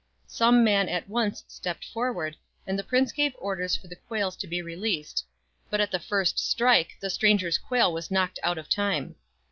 Some man at once stepped forward, and the prince gave orders for the quails to be released ; but at the first strike the stranger's quail was knocked out of time.